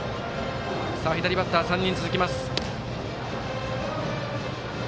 左バッター、３人続きます。